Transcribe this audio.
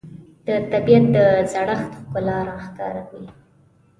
د طبیعت د زړښت ښکلا راښکاره وي